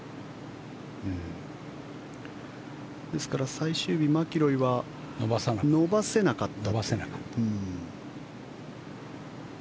ですから、最終日マキロイは伸ばせなかった。